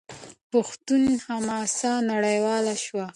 پښتون حماسه نړیواله شوه.